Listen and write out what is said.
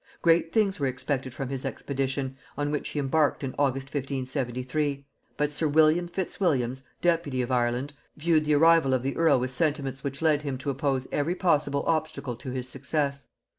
Great things were expected from his expedition, on which he embarked in August 1573: but sir William Fitzwilliams, deputy of Ireland, viewed the arrival of the earl with sentiments which led him to oppose every possible obstacle to his success.